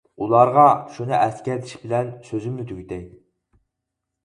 ئۇلارغا شۇنى ئەسكەرتىش بىلەن سۆزۈمنى تۈگىتەي.